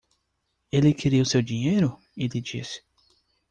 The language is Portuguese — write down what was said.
"Ele queria o seu dinheiro?" ele disse.